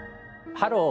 「ハロー！